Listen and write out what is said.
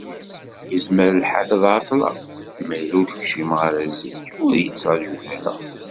Yezmer lḥal ad ɛeṭṭleɣ, ma yella ur d-kcimeɣ ara zik, ur iyi-ttraǧut ara.